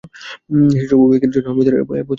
সেই-সব অভিব্যক্তির জন্য আমি এ-পুস্তক খুলিয়াই রাখিব।